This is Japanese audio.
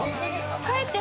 帰って！